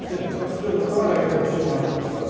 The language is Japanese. それとも加賀だけ特徴があるとかってあるんですか？